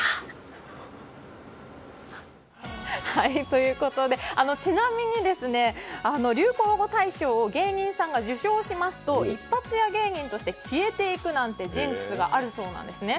ということで、ちなみに流行語大賞を芸人さんが受賞しますと一発屋芸人として消えていく、なんてジンクスがあるそうなんですね。